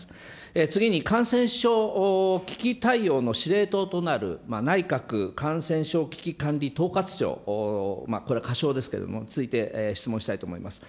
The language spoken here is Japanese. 次に、感染症危機対応の司令塔となる内閣感染症危機管理統括庁、これは仮称ですけれども、ついて質問したいと思います。